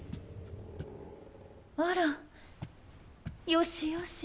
あらよしよし。